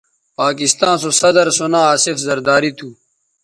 پاکستاں سو صدرسو ناں آصف زرداری تھو